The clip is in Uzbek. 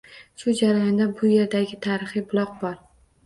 Shu jarayonda bu yerdagi tarixiy buloq bor.